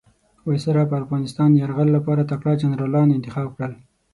وایسرا پر افغانستان یرغل لپاره تکړه جنرالان انتخاب کړل.